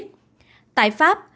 tại pháp đối với các quốc gia khác